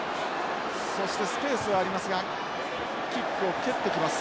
そしてスペースはありますがキックを蹴ってきます。